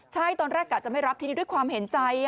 ใช่ตอนแรกกะจะไม่รับทีนี้ด้วยความเห็นใจ